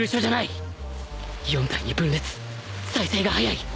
４体に分裂再生が早い